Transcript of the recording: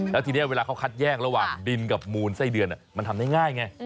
แล้วทีนี้เวลาเขาคัดแยกระหว่างดินกับมูลไส้เดือนมันทำได้ง่ายไง